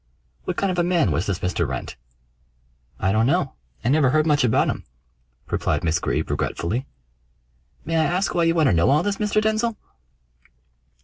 "What kind of a man was this Mr. Wrent?" "I don't know. I never heard much about him," replied Miss Greeb regretfully. "May I ask why you want to know all this, Mr. Denzil?"